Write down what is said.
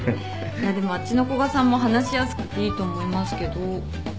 いやでもあっちの古賀さんも話しやすくていいと思いますけど。